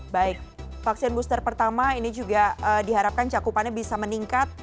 baik vaksin booster pertama ini juga diharapkan cakupannya bisa meningkat